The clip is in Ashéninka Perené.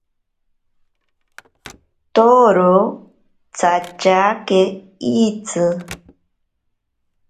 Toro tsatyake itsi.